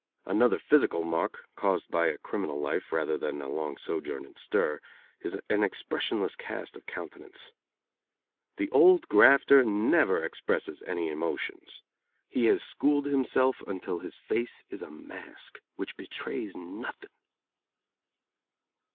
Another physical mark, caused by a criminal life rather than by a long sojourn in stir, is an expressionless cast of countenance. The old grafter never expresses any emotions. He has schooled himself until his face is a mask, which betrays nothing.